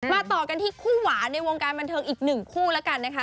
ต่อกันที่คู่หวานในวงการบันเทิงอีกหนึ่งคู่แล้วกันนะคะ